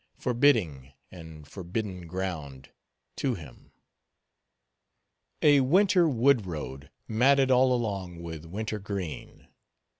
Forbidding and forbidden ground—to him. A winter wood road, matted all along with winter green.